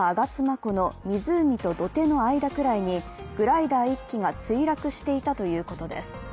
湖の湖と土手の間ぐらいにグライダー１機が墜落していたということです。